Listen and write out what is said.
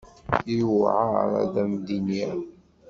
Yewɛeṛ ad am-d-iniɣ.